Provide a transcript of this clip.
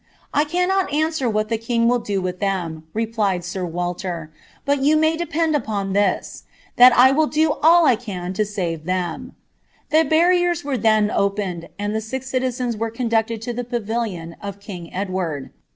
' I cannot answer what the king will do with them,' replied W Waii«r; 'but you may depend upon ihis, that I will do all I can loaftvs ' 'Din barriers were tjien opened, and the six citizens were con d to Ihe pavilion of king Edward.